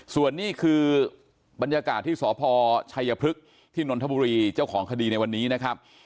ส่วนนี้คือบรรยากาศที่สพชัยพฤกษ์ที่นนทบุรีเจ้าของคดีในวันนี้นะครับ